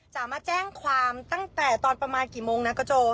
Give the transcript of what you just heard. จะมาแจ้งความตั้งแต่ตอนประมาณกี่โมงนะกระโจ